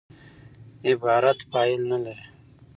عبارت فاعل نه لري.